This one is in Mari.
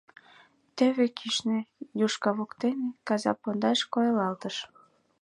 Тӧвӧ кӱшнӧ, юшка воктене, каза пондаш койылалтыш.